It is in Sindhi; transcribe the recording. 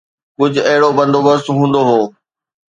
ڪجهه اهڙو بندوبست هوندو هو.